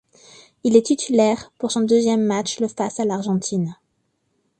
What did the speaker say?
Il est titulaire pour son deuxième match le face à l'Argentine.